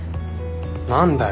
何だよ。